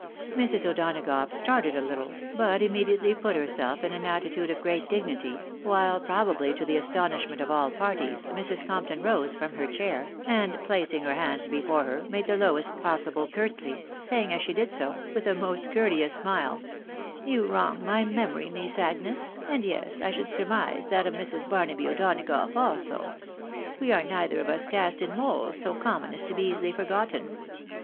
Mrs. O'Donagough started! a little, but immediately put herself in an attitude of great dignity, while, probably to the astonishment of all parties, Mrs. Compton rose from her chair, and placing her hands before her,, made the lowest possible courtesy, saying, as she did so, with a most courteous smile, " You wrong my memory, niece Agnes ; and, as I should sur mise, that of Mrs. Bamaby O'Donagough also. We are neither of us cast in moulds so common as to be easily forgotten.